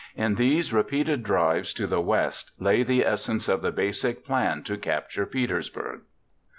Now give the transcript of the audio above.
In these repeated drives to the west lay the essence of the basic plan to capture Petersburg.